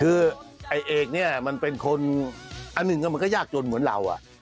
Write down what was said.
คือไอ้เอกเนี่ยมันเป็นคนอันหนึ่งมันก็ยากจนเหมือนเรา